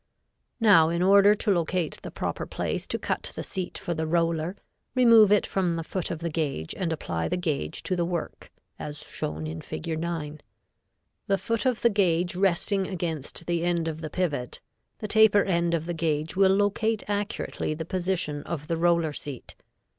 [Illustration: Fig. 8.] Now in order to locate the proper place to cut the seat for the roller, remove it from the foot of the gauge and apply the gauge to the work as shown in Fig. 9. The foot of the gauge resting against the end of the pivot, the taper end of the gauge will locate accurately the position of the roller seat.